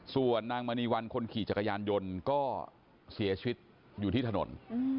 ส่วนนางมณีวันคนขี่จักรยานยนต์ก็เสียชีวิตอยู่ที่ถนน